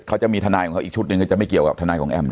เขาจะมีทนายของเขาอีกชุดหนึ่งก็จะไม่เกี่ยวกับทนายของแอม